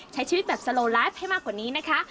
ใช้ชีวิตแบบสโลไลฟ์ให้มากกว่านี้นะคะ